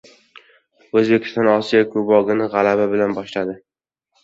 Oʻzbekiston Osiyo kubogini gʻalaba bilan boshladi!